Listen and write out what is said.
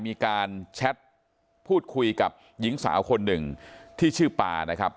มีการแชทพูดคุยกับหญิงสาวคนหนึ่งที่ชื่อปานะครับ